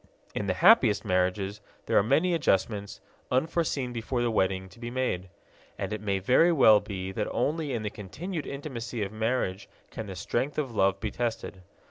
In the happiest marriages there are many adjustments, unforeseen before the wedding, to be made. And it may very well be that only in the continued intimacy of marriage can the strength of love be tested.